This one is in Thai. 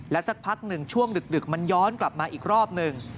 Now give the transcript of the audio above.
สักพักหนึ่งช่วงดึกมันย้อนกลับมาอีกรอบหนึ่ง